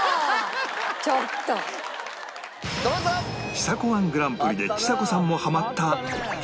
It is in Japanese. ちさ子 −１ グランプリでちさ子さんもハマった